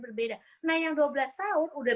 berbeda nah yang dua belas tahun udah